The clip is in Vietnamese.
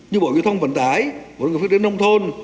như bộ yêu thông vận tải bộ yêu thông nông thôn